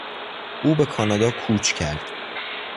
او به کانادا کوچ کرد.